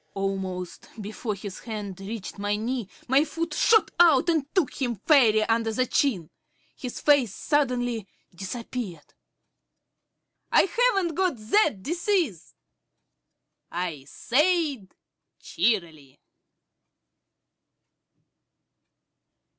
Almost before his hand reached my knee, my foot shot out and took him fairly under the chin. His face suddenly disappeared. "I haven't got that disease," I said cheerily.